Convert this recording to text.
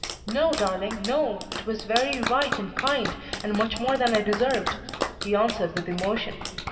"No, darling, no; it was very right and kind, and much more than I deserved," he answered with emotion.